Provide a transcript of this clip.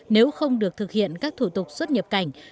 nếu không được thực hiện các thủ tục xuất nhập cảnh